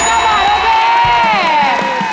โอ้ว๓๒๙บาทโอเค